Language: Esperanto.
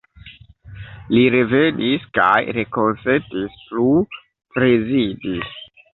Li revenis kaj rekonsentis plu prezidi.